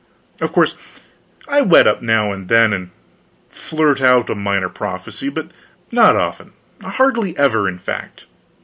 Of course, I whet up now and then and flirt out a minor prophecy, but not often hardly ever, in fact.